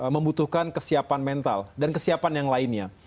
membutuhkan kesiapan mental dan kesiapan yang lainnya